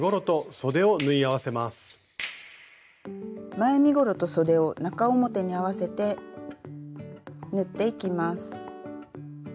前身ごろとそでを中表に合わせて縫っていきます。